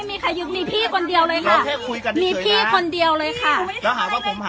ผมแค่ถามไม่ถึงแล้วโวยวายใส่ผมนะ